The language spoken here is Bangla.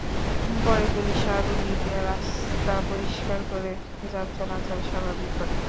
পরে পুলিশ আগুন নিভিয়ে রাস্তা পরিষ্কার করে যান চলাচল স্বাভাবিক করে।